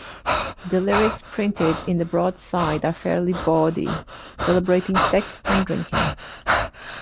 The lyrics printed in the broadside are fairly bawdy, celebrating sex and drinking.